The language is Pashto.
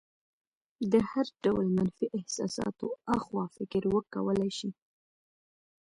له هر ډول منفي احساساتو اخوا فکر وکولی شي.